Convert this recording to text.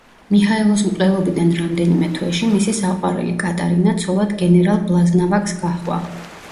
მიჰაილოს მკვლელობიდან რამდენიმე თვეში მისი საყვარელი კატარინა ცოლად გენერალ ბლაზნავაკს გაჰყვა.